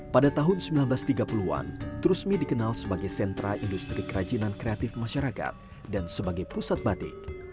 pada tahun seribu sembilan ratus tiga puluh an trusmi dikenal sebagai sentra industri kerajinan kreatif masyarakat dan sebagai pusat batik